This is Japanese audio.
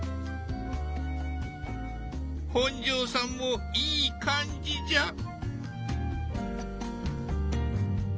本上さんもいい感じじゃ。